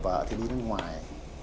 vợ thì đi nước ngoài